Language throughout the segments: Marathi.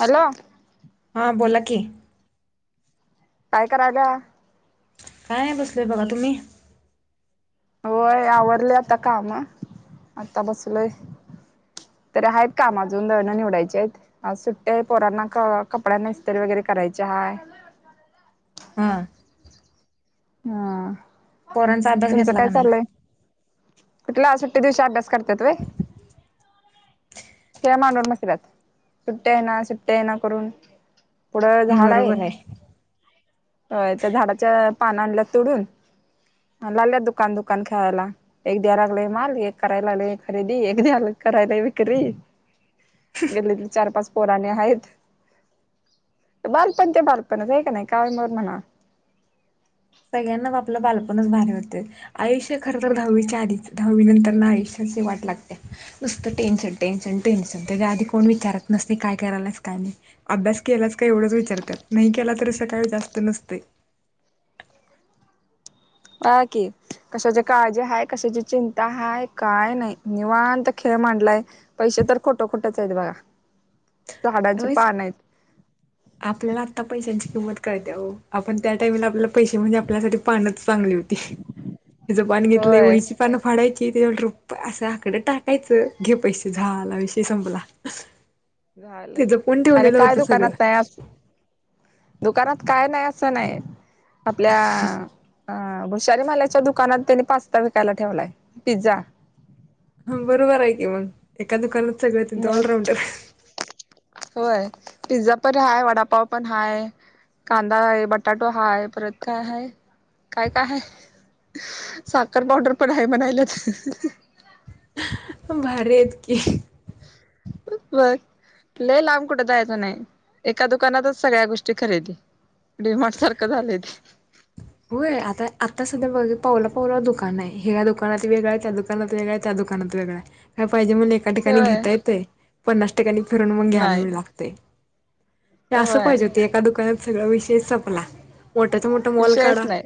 हॅलो, हा. बोला की? काय करायल्यास? काय नाही बसलोय बघा तुम्ही? होय आवरले आता काम, आता बसलोय. तरी आहेत काम अजून दळणं निवडायची आहेत, आज सुट्ट्या पोरांना, कपड्या ईस्तरी वगैरे करायची हाय. हा हम पोरांचा अभ्यास घेतला का नाही? कुठंला सुट्टी दिवशी अभ्यास कर्- रत्यात व्हय. खेळ मांडून बसविल्यात. सुट्टी आहे ना सुट्टी आहे ना करून पुढं झाड आहे त्या झाडांच्या, पानं आणल्या तोडून. लागल्या दुकान-दुकान खेळायला. एक द्यायला लागलंय माल, एक करायला लागलय खरेदी, एक द्याय् करायला विक्री. गल्लीतली चार-पाच पोरं आणि आहेत. बालपण ते बालपणच आहे का नाही काय म म्हणा. सगळ्यांना आपलं बालपणच भारी वाटतंय. आयुष्य खर तर, दहावीच्या आधीच. दहावी नंतर ना आयुष्याची वाट लागतीया नुसतं टेन्शन-टेन्शन- टेन्शन त्याच्या आधी कोण विचारत नसतंय, काय करायलास, काय नाह, अभ्यास केलास काय एवढंच विचारत्यात. नाही केला तर असं काय जास्त नसतंय. बगा की, कशाची काळजी हाय, कशाची चिंता हाय, काय नाही, निवांत खेळ मांडलाय. पैसे तर खोट खोटच आहेत बघा. झाडां होयच पानं आहेत. आपल्याला आत्ता पैशांची किंमत कळतीया ओ, आपण त्या टाईमला आपल्याला पैसे म्हणजे आपल्यासाठी पानंच- चांगली होती. हिच पान घेतलंय होय वहिची पान फाडायची, [unintelligible] असं आकडे टाकायचं घे पैसे झाला विषयी संपला. [inaudible] झालं ते जपून आणि ठेवलेलं काय होतं सगळं दुकानात नाहीया अस् दुकानात काय नाही असं नाही, आपल्या हं भुशाली मालाच्या दुकानात त्यांनी पास्ता विकायला ठेवलाय‌. पिझ्झा हा बरोबर आहे की, मग. एका दुकानात सगळं मग ऑल राॅवन्टर होय पिझ्झा पण हाय वडापाव पण हाय कांदा हाय बटाटु हाय परत काय हा काय काय साखर पावडर पण आहे म्हणाल्यात म्म भरी हसयत कीं ही.. बर, लय लांब कुठ जायचं नाही एका दुकानातच सगळ्या गोष्टी खरेदी दे व्हाट सारखझालंय की होय आता आता सध्या बघ पावला पावला दुकान आहे ह्या दुकानात वेगळं आहे त्या दुकानात वेगळं त्या दुकानात वेगळा आहे हेब.. पाहिजे म्हणून एका ठिकाणी होय घेता येतयं पन्नास टक्क्यंणी करणमून नाही घ्यायबी लागतयं हं असं होय पाहिजे होते एका दुकानात सगळां विषय संपला मोठ्याचा मोठा मोल विषयच आ नाही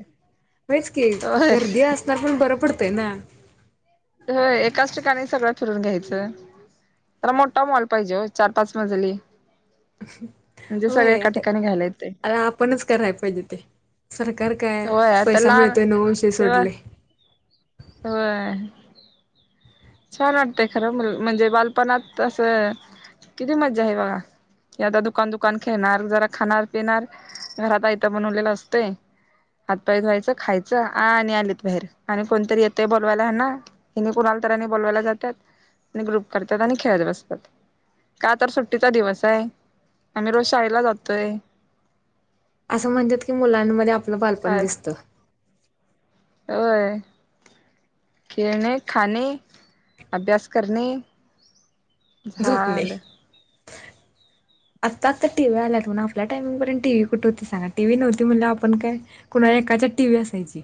मीचकी होय गर्दी असताना बरं पडतय ना. जर एकाच ठिकाणी सगळं फिरून घ्यायचं, तर मोठा मॉल पाहिजे हो चार पाच मजली. म्हणजे सगळे होय एका आता ठिकाणी घ्यायला येतंय आ आपणच कराय पाहिजे ते सरक. कार काय होय आता पैसा लहान मिळतोय नव विषय तेव्हा सोडलंय. होय. छान वाटतय खरं मल् म्हणजे बालपणात असं किती मज्जा आहे बघा, आता दुकान दुकान खेळणार जरा खाणार पिणार घरात आयतं बनवलेलं असतंय. हातपाय धुवायचं खायचं आ आणि आलीत बाहेर आणि कोणतरी येतंय बोलवायला हेन्ना. हिनी कोणाला तर यांनी बोलवायला जातात आणि ग्रुप करतात आणि खेळत बसतात का तर सुट्टीचा दिवस हाय आम्ही रोज शाळेला जातोय. असं म्हणत्यात की मुलांमध्ये आप पलं बालपण काय दिसतं. होय. खेळणे, खाणे, अभ्यास करणे. झोपणे. झालं. आत्ता आत्ता टीव्ही आल्यात म्हणा, आपल्या टायमिंग पर्यंत टीव्ही कुठे होती सांगा, टीव्ही नव्हती म्हणल्यावर आपण काय कुणाला एकाच्या टीव्ही असायची.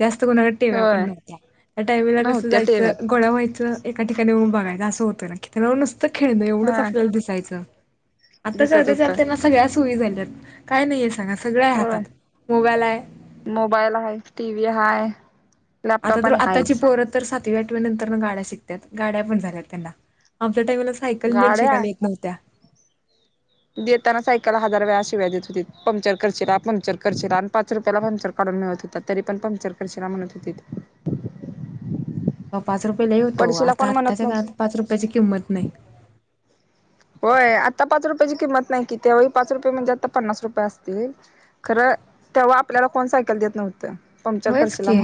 जास्त कोणाकडं टिव्या पण होय नव्हत्या त्या टाइमाला कसं नव्हत्या जायचं टेव्ह्या गोळ्या व्हायचं एका ठिकाणी उभा पहिल असं होतं ना कि ते लाऊनस. त खेळणं एवढंच आप हा यायचं. आता दिसत चालते होतं चालते ना सगळ्यास. सोयी झाल्यात काय नाहीये सांगा सगळं आहे होय हातात मोबाईल आहे मोबाईल हाय टी व्ही हाय आता लॅपटॉप तर आणि आताची हायच पोरं तर सात ती एटवे नंतर म गाड्या शिकत्यात गाड्या पण झाल्यात त्यांना आम धड त्या वेळला सायकल निट गाड्या शिकायला येत नव्हत्या. देताना सायकल हजार वेळा शिव्या देत होतीत पंक्चर करशिला पंक्चर करशिला आणि पाच रुपयाला पंक्चर काढून मिळत होतं तरी पण पंक्चर करशिला म्हणत होतीत पाच रुपये लई होत व्हं पडशीला आता कोण म्हणत आत्ताच्या नव्हतं काळात पाच रुपयाची किंमत नाही होय आता पाच रुपया ची किंमत नाही की त्या वेळी पाच रुपये म्हणजे आता पन्नास रुपये असतील खरं तेव्हा आपल्याला कोण सायकल देत नव्हतीत होयच की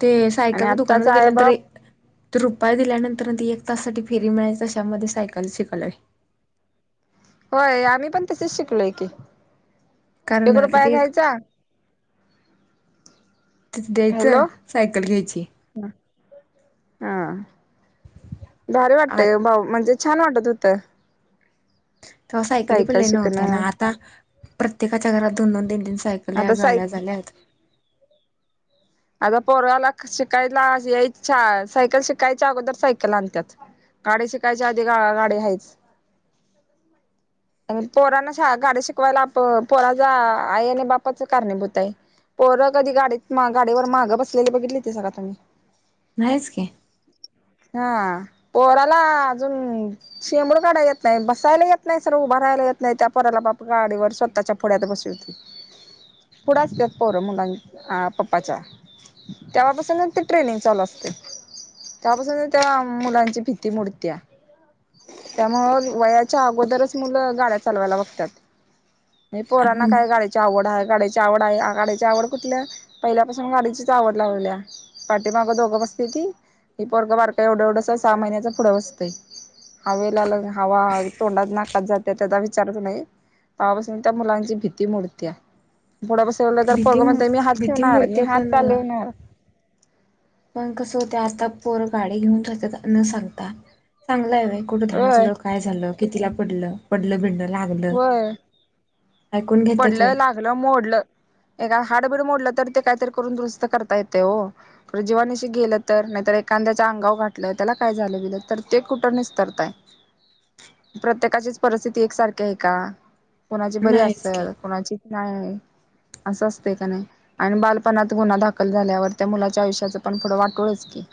ते आणि सायकलच्या दुकानात आत्ताचा आहे गेल्यानंतर बाप तो रुपाया दिल्यानंतर ती एक तासासाठी फेरी मिळायची अशामध्ये सायकल शिकलोय होय आम्ही पण तशिच शिकलो की कारण एक रुपाया तिथे घ्यायचा तिथं द्यायचं हॅलो सायकल घ्यायची हा भारी आ वाटतयं गं म्हणजे भाऊ छान वाटतं होत तेव्हा सायकली पण नव्हत्या ना शिकणं आता प्रत्येकाच्या घरात दोन दोन तीन तीन सायक सायकल्या, आता गाड्या सायक झाल्यात आता पोराला शिकायला यायच्या सायकल शिकायच्या अगोदर सायकल आणतात, गाडी शिकायच्या आधी गाडी हायचं. पोरांना गाडी शिकवायला आप पोराचा आई आणि बापाच कारणीभूत आहेत. पोर कधी गाडीत गाडीवर‌ मागं बसलेली बघितलीसा का तुम्ही? नाहीच की हा पोराला अजून शेबूड काढाय येत नाही, बसायला येत नाही सरळ उभ राहाला येत नाही त्या पोराला बाप गाडीवर स्वतःच्या पुढ्यात बसवतंय. पुढ असत्यात पोर मुल पप्पाच्या. तेव्हापासूनच ते ट्रेनिंग चालू असतंय, तेव्हापासून त्या मुलांची भीती मोडत्या. त्यामुळं वयाच्या अगोदरच मुलं गाड्या चालवायला बघत्यात. मी पोरांना काय गाडीची आवड आहे गाड्याची आवड आहे, गाड्याची आवड कुठलं पहिल्यापासून गाडीचीच आवड लावलीया. पाठीमागं दोघं बसत्याती हे पोरगं बारक एवढं एवढंस सहा महिन्याच पुढं बसतंय. हवेला हवा तोंडात नाक जात्या त्याचा विचारच नाही ते्हापासून त्या मुलांची भीती मोडत्या. पुढं बसवलं तर भीती पोरग म्हणतंय मी हात भीती ठेवणार, मी मोडते हात पण चालवणार‌ पण कसं होतेय आता पोर गाडी घेऊन जातात न सांगता चांगल आहे व्ह कुठं होय धडकलं, काय झालं कितिला पडलं, पडलं बीडलं लागलं होय ऐकून घेतात पडलं, व्हय लागलं, मोडलं एका हाडबीड मोडलं तर ते काहीतरी करून दुरूस्त करता येते ओ‌ जीवानिशी गेलं तर, नाहीतर एखाद्याच अंगावर घातलं त्याला काय झालं गेलं तर ते कुठं निस्तरताय‌ प्रत्येकाचीच परिस्थिती एकसारखी आहे का? कोणाची बरी अस नाहीच की कोणाची नाही असं असतंय काय नाही आणि बालपणात गुन्हा दाखल झाल्यावर त्या मुलाच्या आयुष्याच पण पुढं वाटूळंच की.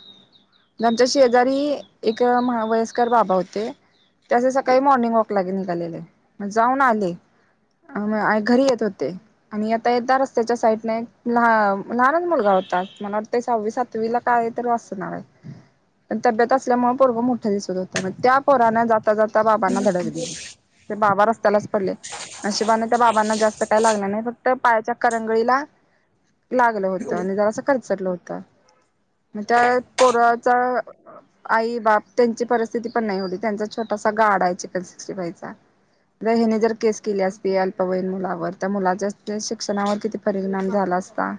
आमच्या शेजारी एक महा वयस्कर बाबा होते, ते असे सकाळी मॉर्निंग वॉकला गे निघालेले. जाऊन आले घरी येत होते आणि येता येता रस्त्याच्या साईडला एक लहानच मुलगा होता. मला वाटतंय सहावी, सातवीला काय तर आसणार आहे. तब्येत असल्यामुळे पोरग मोठं दिसत होतं. त्या पोराने जा जाता जाता बाबांना धडक दिली, ते बाबा रस्त्यालाच पडले. नशिबाने त्या बाबांना जास्त काय लागलं नाही, फक्त पायाच्या करंगळीला लागलं होतं आणि जरासं खर चटलं होत. मग त्या पोराचा आई बाप त्यांची परिस्थिती पण नाही एवढी. त्यांचा छोटासा गाडा आहे चिकन सिक्सटी फायचा. जर हेनी जर केस केली असती अल्पवयीन मुलावर, तर मुलाच्या शिक्षणावर किती परिणाम झाला असता.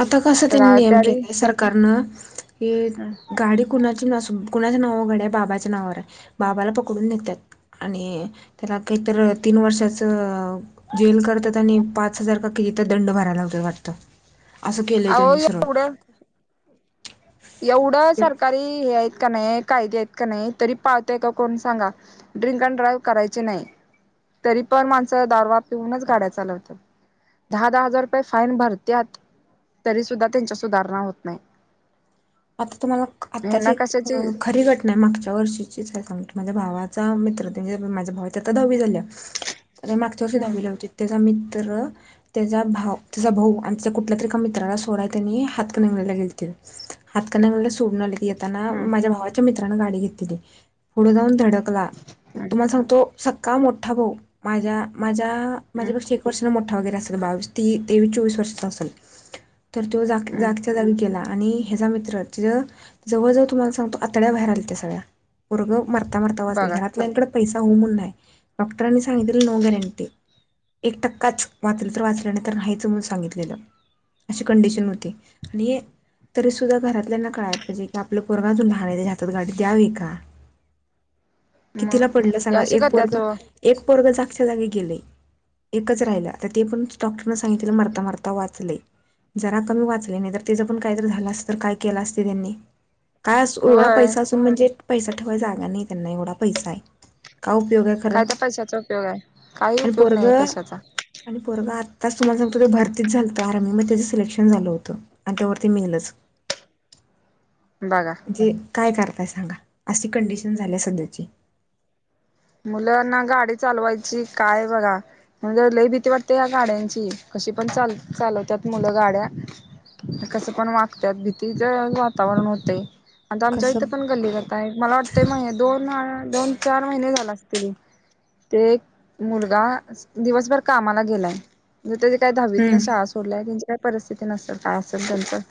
आता कस तर त्यांनी नियम तरी केलंय सरकारनं, की गाडी कुणाची नस कुणाच्या नावावर गाडी आहे बाबाच्या नावावर आहे. बाबाला पकडून नेत्यात आणि त्याला काहीतर तीन वर्षाचं जेल करतात आणि पाच हजार का कितीतरी दंड भरायला लावतात वाटत. असं केलंय अहो त्यांनी सरळ एवढं एवढं सरकारी हे आहेत का नाही कायदे आहेत. का नाही तरी पाळतंय का कोण सांगा? ड्रिंक अँड ड्राईव्ह करायचे नाही, तरी पण माणस हा दारवा पिऊनच गाड्या चालवत्यात. दहा, दहा हजार रुपये फाईन भरत्यात तरी सुद्धा त्यांच्यात सुधारणा होत नाही. आता तुम्हाला ह्यांना आत्ताची कशाची अं खरी घटना आहे मागच्या वर्षीचीच आहे सांगतो. माझ्या भावाचा मित्र ते म्हणजे माझ्या भावाच्या आता दहावी झाल्या. मागच्या वर्षी हम्म दहावी ला होती. त्याचा मित्र त्याचा भाऊ त्याचा भाऊ आणि त्या कुठल्या तरी एका मित्राला सोडाया त्यांनी हातकणंगल्यायला गेलतील. हातकणंगल्याला सोडून आलीत. येताना हम्म माझ्या भावाच्या मि- -त्रान गाडी घेतलेली. पुढं जाऊन धडक -ला हम्म तुम्हाला सांगतो, सख्खा मोठा भाऊ माझ्या माझ्या हम्म माझ्या पेक्षा एक वर्षान मोठा वगैरे असलं. बावीस ती तेवीस चोवीस वर्षात असेल. तर तो हम्म जागच्या जागी गेला. आणि हे चा मित्र तो जवळ जवळ तुम्हाला सांगतो, आतड्या बाहेर आल्यात्या सगळ्या पोरगं मरता मरता वाचलयं. बघा घरातल्याकडं पैसा हू म्हणून आहे. डॉक्टरांनी सांगितलेलं नो गॅरंटी एक टक्काच वाचल तर वाचल नाही तर नाहीच म्हणून सांगितलेलं अशी कंडिशन होती. आणि तरी सुद्धा घरातल्याना कळाय पाहिजे की आपलं पोरगा अजून लहान आहे. त्याच्या हातात गाडी द्यावीका का? कितीला पडलं मग सांगा अशी एक करत्यात पोरगं ओ एक पोरगं जागच्या जागी गेलंय. आता एकच राहिलं आता ते पण डॉक्टरनी सांगतलेलं मरता मरता वाचलंय. जरा कमी वाचलंय नाहीतर तेच पण कायतर झाल असतं तर काय केलं असते त्यांनी काय अस एवढा होय पैसा असून म्हणजे, पैसा ठेवाय जागा नाही त्यांना एवढा पैसा आहे. का उपयोग आहे खरं काय त्या पैशाचा उपयोग आहे काही आणि उपयोग पोरग नाही पैशाचा आणि पोरग आज तुम्हाला सांगतो ते भरती झालंत आर्मी मध्ये त्याच सिलेक्शन झालं होत आणि तवर ते मेलच, बघा जे काय कर काय सांगा अस कंडिशन झाल्या सध्याची. मुलंना गाडी चालवायची काय बघा म्हणजे, लय भीती वाटते, या गाड्यांची कशी पण चाल चालवतात मुलं गाड्या कसं पण वागत भीतीच वातावरण व्हतय. आता आमच्या कसं इथे पण गल्ली करताय मला वाटतंय महि दोन दोन चार महिने झाला. ते मुलगा दिवसभर कामाला गेलाय. ते काय दहावीतनं हम्म शाळा सोडलाय म्हणजे, परिस्थिती नसल काय असेल ते असेल त्यांच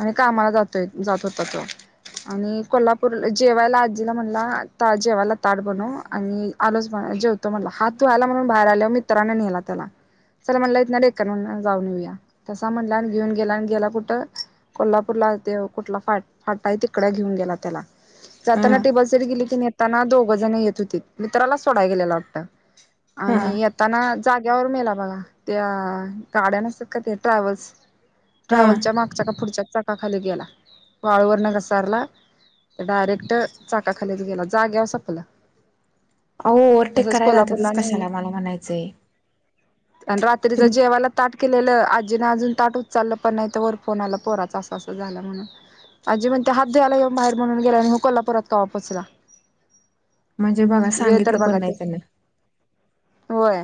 आणि कामाला जातय जात होता तो आणि कोल्हापूरला जेवायला आजीला म्हणला ता जेवायला ताट बनवहा आणि आलोच जेवतो म्हणला हात धुवायला म्हणून बाहेर आल्यावर मित्रांन नेला त्याला चला म्हणला इथंन डेक्कन वरन जाऊन येऊया जाऊन तसा म्हणला आणि घेऊन गेला आणि गेला कुठं कोल्हापूरला ते कुठला फाटा आहे तिकड घेऊन गेला त्याला हा जाताना तीबल सीट गेलीत आणि येताना दोघं जण येत होतीत. मित्राला सोडायला गेलेला वाटतं. हा आणि येतानाह जाग्यावर मेला बघा त्या गाड्या नसतात का त्या ट्रॅव्हल्स. हा ट्रॅव्हलच्या मागच्या का पुढच्या चाकाखाली गेला वाळू वरनं घसारला तर डायरेक्ट चाकाखालीच गेला जाग्यावर सपलं अहो ओव्हरटेक तसच करायला कोल्हापूरला जातातच नेल कशाला मला म्हणायचंय. आणि रात्रीच तुम्ही जेवाला ताट केलेलं आ अजी अजून ताट उचचाललं पण नाही तवर फोन आला पोराचा अस असं झाला म्हणून आजी म्हणत्या हात धुवायला यो बाहेर गेला आणि ह्यो कोल्हापुरात कवा पोहोचला म्हणजे बघा सांगितलं पण नाही त्यांना होय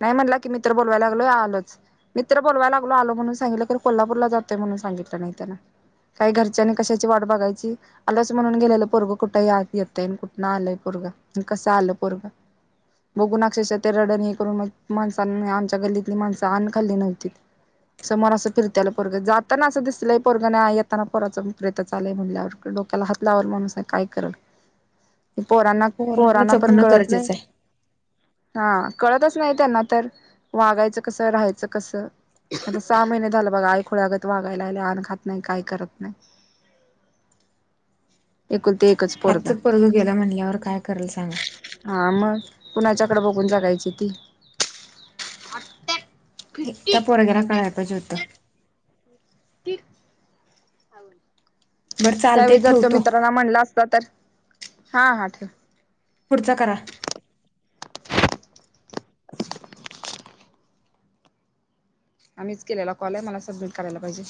नाही म्हटलं कि मित्र बोवायला लागलोय आलोच मित्र बोवायला लागलो आलो म्हणून सांगितलं तर कोल्हापूरला जातोय म्हणून सांगितलं नाही त्यांना काही घरच्यांनी कशाची वाट बघायची आलच म्हणून गेलेलं पोरग कुठे येतय कुठं आलंय पोरं कस आलं पोरग बघून अक्षरशः ते रड हे करून मग माणसां आमच्या गल्लीतली माणसं अन्नखाल्ल नव्हती समोर असं फिरते आलं पोरग जाताना असं दिसलंय पोरग नाही येताना पोराच प्रेतच आलय म्हणल्यावर डोक्याला हात लावल माणूस काय करल पोरांना पोरांना पण जपणं कळत नाही गरजेचं आहे हा कळतच नाही त्यांना तर वागायचं कसं राहायचं कसं आता सहा महिने झालं बघा आई खुळ्यागत वाघाल्या अन्न खात नाही काय करत नाही एकुलती एकच पोरगा हातच पोरग गेलं म्हणल्यावर काय करेल सांगा हा मग कणाच्याकडे बघून जगायची ती त्या पोरग्याला कळाय ज्योत ती ती बरं चालतंय त्यावेळी जर तो ठेवतो मित्रांला म्हणला असला तर हा हा ठेव पुढचा करा [unintelligible] आम्हीच केलेला कॉल आहे मला सबमिट करायला पाहिजे